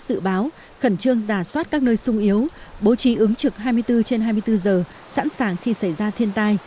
dự báo khẩn trương giả soát các nơi sung yếu bố trí ứng trực hai mươi bốn trên hai mươi bốn giờ sẵn sàng khi xảy ra thiên tai